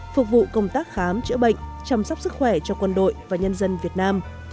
phục vụ công tác khám chữa bệnh chăm sóc sức khỏe cho quân đội và nhân dân việt nam